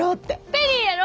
ペリーやろ！